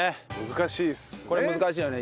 難しいですね。